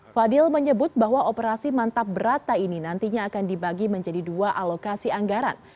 fadil menyebut bahwa operasi mantap berata ini nantinya akan dibagi menjadi dua alokasi anggaran